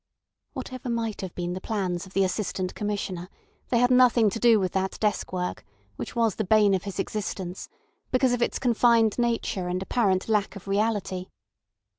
Whatever might have been the plans of the Assistant Commissioner they had nothing to do with that desk work, which was the bane of his existence because of its confined nature and apparent lack of reality.